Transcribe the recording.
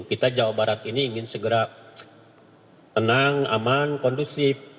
kita jawa barat ini ingin segera tenang aman kondusif